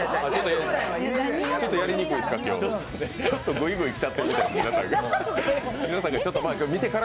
ちょっとやりにくいですか。